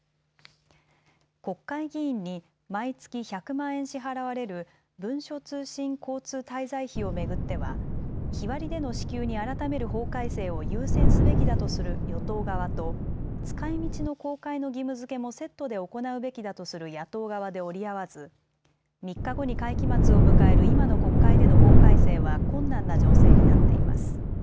国会議員に毎月１００万円支払われる文書通信交通滞在費を巡っては日割りでの支給に改める法改正を優先すべきだとする与党側と使いみちの公開の義務づけもセットで行うべきだとする野党側で折り合わず、３日後に会期末を迎える今の国会での法改正は困難な情勢になっています。